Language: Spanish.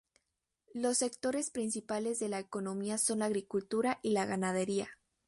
Los sectores principales de la economía son la agricultura y la ganadería.